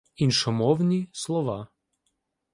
Іншомовні слова